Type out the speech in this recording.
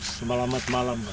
selamat malam pak